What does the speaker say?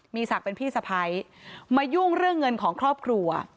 มีศักดิ์เป็นพี่สะพ้ายมายุ่งเรื่องเงินของครอบครัว